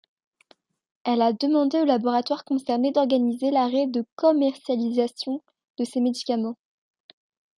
Elle a demandé aux laboratoires concernés d'organiser l'arrêt de commercialisation de ces médicaments.